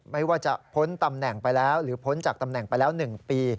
ไม่ว่าจะพ้นตำแหน่งไปแล้วหรือพ้นจากตำแหน่งไปแล้ว๑ปี